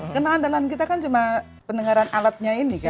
karena andalan kita kan cuma pendengaran alatnya ini kan